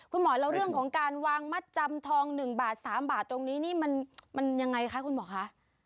คุณหมอแล้วเรื่องของการวางมัดจำทอง๑บาท๓บาทตรงนี้นี่มันยังไงคะคุณหมอคะ